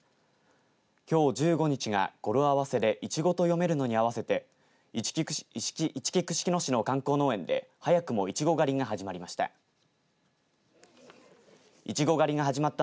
きょう１５日が語呂合わせで、いちごと読めるのに合わせていちき串木野市の観光農園で早くもいちご狩りが始まりました。